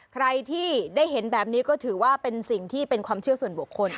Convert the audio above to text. ใครที่ได้เห็นแบบนี้ก็ถือว่าเป็นสิ่งที่เป็นความเชื่อส่วนบุคคล